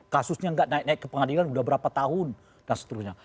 kasusnya nggak naik naik ke pengadilan udah berapa tahun dan seterusnya